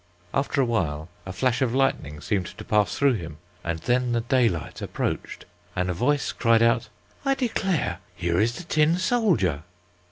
After a while, a flash of lightning seemed to pass through him, and then the daylight approached, and a voice cried out, "I declare here is the tin soldier."